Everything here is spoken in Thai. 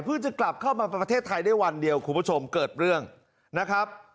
จะกลับเข้ามาประเทศไทยได้วันเดียวคุณผู้ชมเกิดเรื่องนะครับ